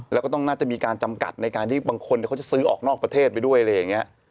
แล้วก็ต้องน่าจะมีการจำกัดในการที่บางคนเขาจะซื้อออกนอกประเทศไปด้วยอะไรอย่างนี้